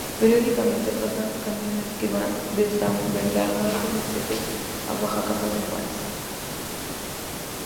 Periódicamente pasan camiones que van de San Bernardo Mixtepec a Oaxaca de Juárez.